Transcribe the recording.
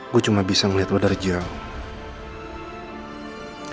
gue cuma bisa melihat lo dari jauh